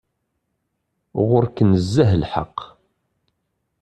Ɣur-k nezzeh lḥeqq.